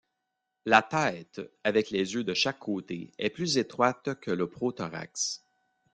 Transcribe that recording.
La tête, avec les yeux de chaque côté, est plus étroite que le prothorax.